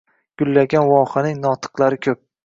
Gullagan vohaning notiqlari ko’p